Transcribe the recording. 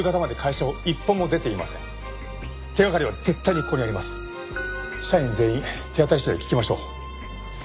社員全員手当たり次第聞きましょう。